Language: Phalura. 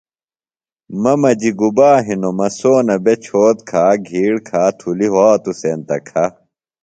مہ مجیۡ گُبا ہنوۡ مہ سونہ بےۡ چھوت کھا گِھیڑ کھا تُھلیۡ وھاتوۡ سینتہ کھہ